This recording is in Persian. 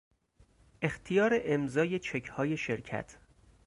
اختیار امضای چکهای شرکت